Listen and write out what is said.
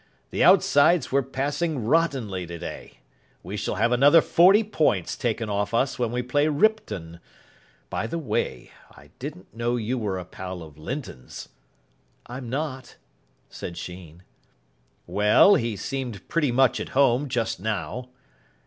"The outsides were passing rottenly today. We shall have another forty points taken off us when we play Ripton. By the way, I didn't know you were a pal of Linton's." "I'm not," said Sheen. "Well, he seemed pretty much at home just now."